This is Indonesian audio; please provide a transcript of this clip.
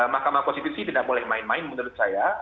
mahkamah konstitusi tidak boleh main main menurut saya